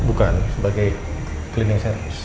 bukan sebagai cleaning service